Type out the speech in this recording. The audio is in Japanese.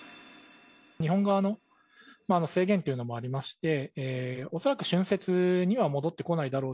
日本側の制限というのもありまして、恐らく春節には戻ってこないだろう。